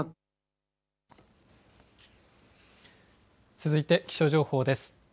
続いて気象情報です。